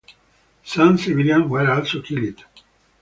Some civilians were also killed.